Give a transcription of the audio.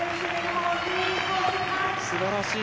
すばらしい！